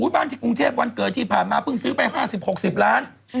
บ้านที่กรุงเทพวันเกิดที่ผ่านมาเพิ่งซื้อไป๕๐๖๐ล้าน